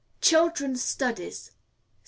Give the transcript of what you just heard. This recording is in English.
Children's Studies.